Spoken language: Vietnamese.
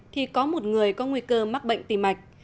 thì có một người có nguy cơ mắc bệnh tim mạch